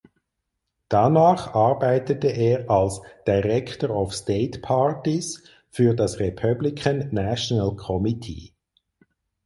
Danach arbeitete er als "Director of State Parties" für das Republican National Committee.